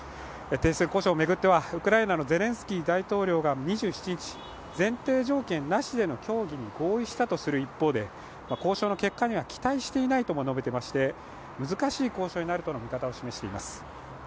停戦交渉を巡ってはウクライナのゼレンスキー大統領が２７日、前提条件なしでの協議に合意したとする一方で、交渉の結果には期待していないとも述べていまして難しい交渉になるとの見方を示しています。